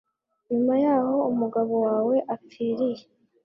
nyuma y'aho umugabo wawe apfiriye